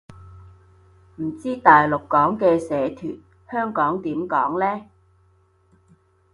唔知大陸講嘅社團，香港點講呢